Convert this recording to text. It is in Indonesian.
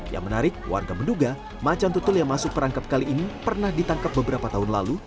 yang menarik warga menduga macan tutul yang masuk perangkap kali ini pernah ditangkap beberapa tahun lalu